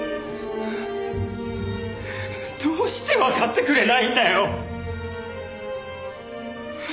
どうしてわかってくれないんだよ。